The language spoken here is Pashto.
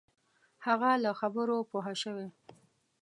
هغه له خبرو پوه شوی.